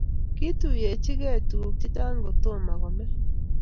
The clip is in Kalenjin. Kiituiyechikei tukuk che chang' ko toma ko me